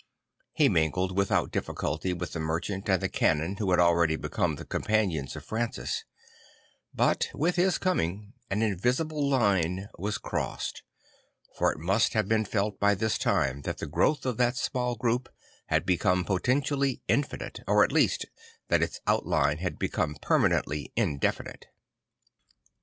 He mingled without difficulty with the merchant and the canon who had already become the companions of Francis; but with his coming an invisible line was crossed; for it must have been felt by this time that the growth of that sman group had become potentially infinite, or at least that its outline had become permanently indefi H 113 114 St. Francis of Assisi nite.